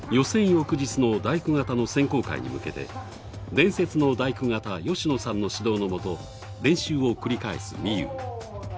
翌日の大工方の選考会に向けて伝説の大工方吉野さんの指導の下練習を繰り返す、みゆう。